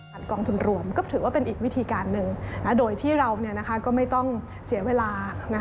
กองทุนรวมก็ถือว่าเป็นอีกวิธีการหนึ่งโดยที่เราก็ไม่ต้องเสียเวลา